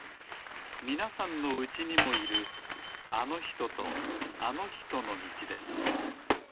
みなさんのうちにもいるあのひととあのひとのみちです